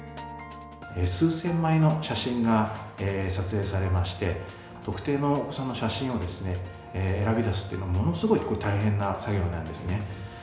数千枚の写真が撮影されまして、特定のお子さんの写真を選び出すというのは、ものすごい大変な作業なんですね。